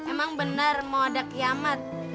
emang benar mau ada kiamat